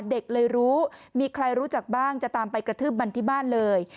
เด็กเลยรู้มีใครรู้จักบ้างจะตามไปกระทืบมันที่บ้านเลย